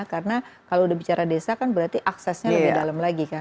karena kalau udah bicara desa kan berarti aksesnya lebih dalam lagi kan